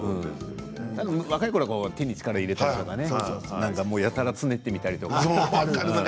若いころは体に力を入れたりやたらつねってみたり。